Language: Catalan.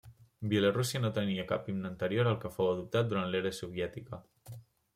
Bielorússia no tenia cap himne anterior al que fou adoptat durant l'era soviètica.